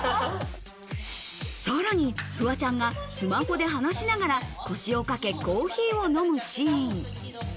さらにフワちゃんがスマホで話しながら腰を掛けコーヒーを飲むシーン。